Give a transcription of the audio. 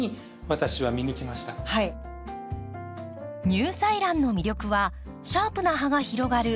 ニューサイランの魅力はシャープな葉が広がる